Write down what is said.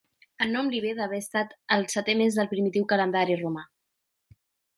El nom li ve d'haver estat el setè mes del primitiu calendari romà.